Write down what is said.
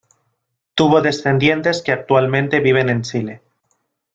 Tuvo descendientes que actualmente viven en Chile.